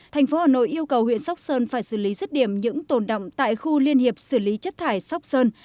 thành phố hà nội yêu cầu huyện sóc sơn phải xử lý rứt điểm những tồn động tại khu liên hiệp xử lý chất thải sóc sơn